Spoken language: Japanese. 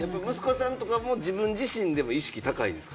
息子さんも自分自身で意識が高いですか？